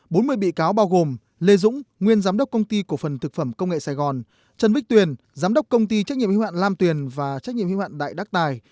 bốn mươi bị cáo bao gồm lê dũng nguyên giám đốc công ty cổ phần thực phẩm công nghệ sài gòn trần bích tuyền giám đốc công ty trách nhiệm hiệu hạn lam tuyền và trách nhiệm hiệu hạn đại đắc tài